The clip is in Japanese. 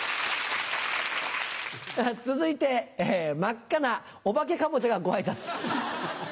続いて真っ赤なお化けカボチャがご挨拶。